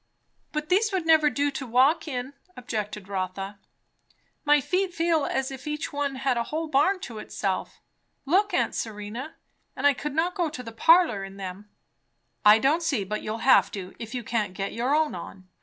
"But these would never do to walk in," objected Rotha. "My feet feel as if each one had a whole barn to itself. Look, aunt Serena. And I could not go to the parlour in them." "I don't see but you'll have to, if you can't get your own on.